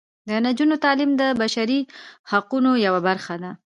د نجونو تعلیم د بشري حقونو یوه برخه ده.